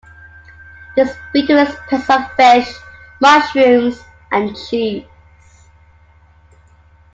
This beetle is a pest of fish, mushrooms, and cheese.